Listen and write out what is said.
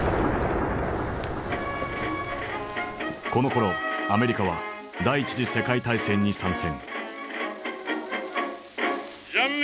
このころアメリカは第一次世界大戦に参戦。